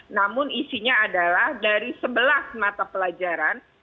namun isinya adalah dari sebelas mata pelajaran